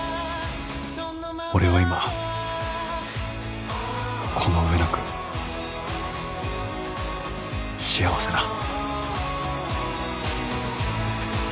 俺は今この上なく幸せだ